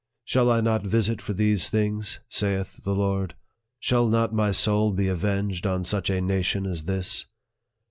" Shall I not visit for these things ? saith the Lord. Shall not my soul be avenged on such a nation as this